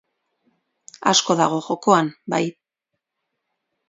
Asko dago jokoan, bai.